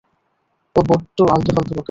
ও বড্ড আলতু-ফালতু বকে।